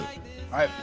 はい。